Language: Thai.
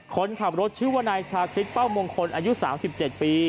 คนขับรถชื่อว่านายชาคริสเป้ามงคลอายุ๓๗ปี